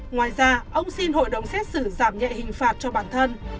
ngoài ra ông xin hội đồng xét xử giảm nhẹ hình phạt cho bản thân